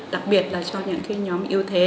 đặc biệt là cho những nhóm yêu thế